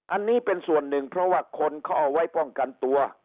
อันนี้เป็นส่วนหนึ่งเพราะว่าคนเขาเอาไว้ป้องกันตัว